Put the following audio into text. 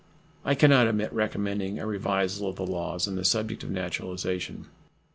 I can not omit recommending a revisal of the laws on the subject of naturalization.